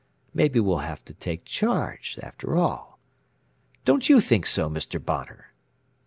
Maybe we'll have to take charge, after all don't you think so, Mr. Bonner?"